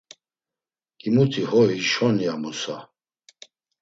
“Himuti ho! Hişon!” ya Musa.